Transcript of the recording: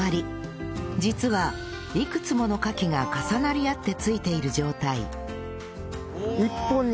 実はいくつものカキが重なり合って付いている状態へえ！